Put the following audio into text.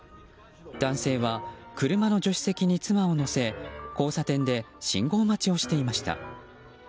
男性は車の助手席に妻を乗せ交差点で信号待ちをしていました。